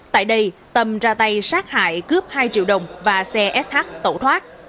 tại đây tâm ra tay sát hại cướp hai triệu đồng và xe sh tẩu thoát